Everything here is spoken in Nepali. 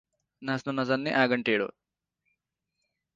नाच्न नजान्ने, अगान टेड़ो